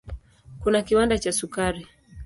Kuna kiwanda cha sukari.